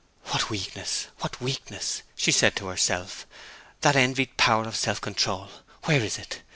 'What weakness, what weakness!' she said to herself. 'That envied power of self control, where is it?